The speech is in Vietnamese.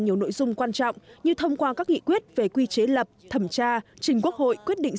nhiều nội dung quan trọng như thông qua các nghị quyết về quy chế lập thẩm tra trình quốc hội quyết định